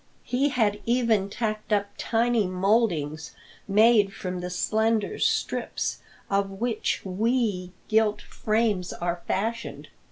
He had even tacked up tiny mouldings made from the slender strips of which wee gilt frames are fashioned.